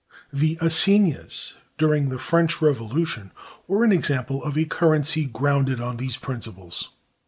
The assignats, during the French Revolution, were an example of a currency grounded on these principles.